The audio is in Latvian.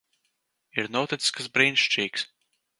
Ir noticis kas brīnišķīgs.